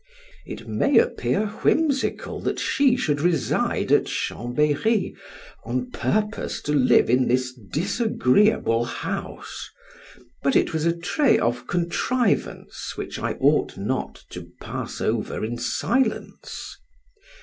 It may appear whimsical that she should reside at Chambery on purpose to live in this disagreeable house; but it was a trait of contrivance which I ought not to pass over in silence.